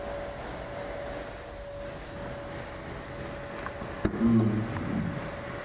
Il est alors mis en congés de ses enseignements, Paul Montel assurant sa suppléance.